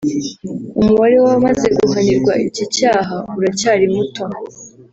umubare w’abamaze guhanirwa iki cyaha uracyari muto